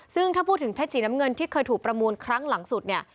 ซึ่งถ้าพูดถึงเพชรสีน้ำเงินที่เคยถูกประมูลครั้งหลังสุดเนี่ย